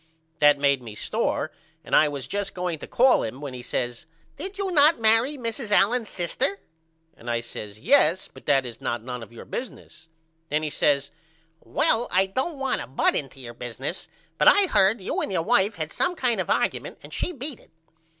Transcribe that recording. That made me sore and I was just going to call him when he says Did not you marry Mrs. Allen's sister? And I says Yes but that is not none of your business. Then he says Well I don't want to butt into your business but I heard you and your wife had some kind of argument and she beat it.